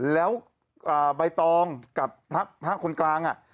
แล้วใบปตกับพระคนกลางอ่ะ